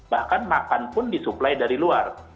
bahkan makan pun disuplai dari luar